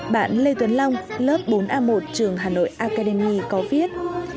bạn lê tuấn long lớp bốn a một trường hà nội acadeni có viết